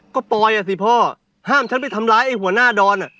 ก็ปอยอ่ะสิพ่อห้ามฉันไปทำร้ายไอ้หัวหน้าดอน